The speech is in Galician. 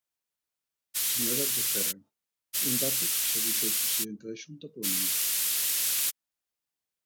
Señoras Vecerra, un dato que xa dixo o presidente da Xunta pola mañá.